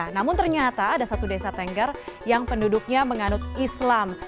namun ternyata ada satu desa tengger yang penduduknya menganut islam